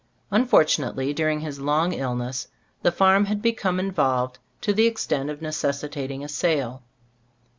Unfortunately, during his long illness the farm had become in volved to the extent of necessitating a sale.